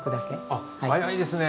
あ早いですね。